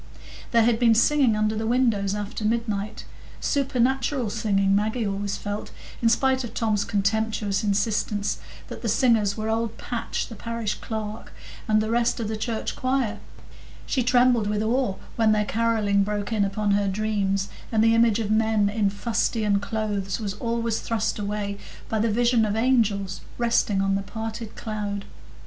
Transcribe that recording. There had been singing under the windows after midnight,—supernatural singing, Maggie always felt, in spite of Tom's contemptuous insistence that the singers were old Patch, the parish clerk, and the rest of the church choir; she trembled with awe when their carolling broke in upon her dreams, and the image of men in fustian clothes was always thrust away by the vision of angels resting on the parted cloud.